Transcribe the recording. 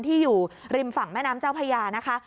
อยู่ริมฝั่งแม่น้ำเจ้าพญานะคะ